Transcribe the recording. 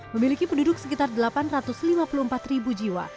memiliki penduduk sekitar delapan ratus lima puluh empat ribu jiwa